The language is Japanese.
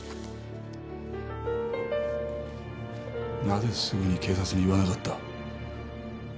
なぜすぐに警察に言わなかった？